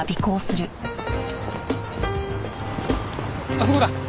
あそこだ。